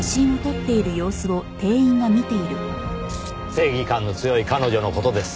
正義感の強い彼女の事です。